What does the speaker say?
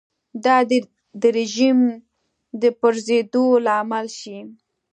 دا د رژیم د پرځېدو لامل شي.